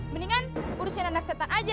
mendingan urusin anak setan aja